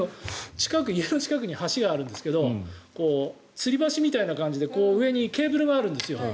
家の近くに橋があるんですがつり橋みたいな感じで上にケーブルがあるんですよ。